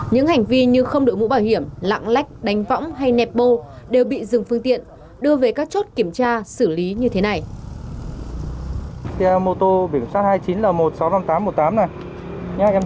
những hành vi như không đội mũ bảo hiểm lạng lách đánh võng hay nẹp bô đều bị dừng phương tiện đưa về các chốt kiểm tra xử lý như thế này